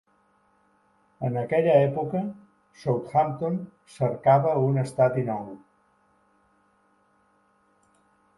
En aquella època, Southampton cercava un estadi nou.